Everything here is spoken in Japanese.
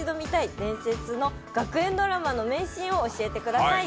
伝説の学園ドラマ名シーン」を教えてください。